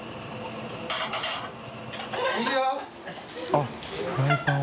あっフライパン。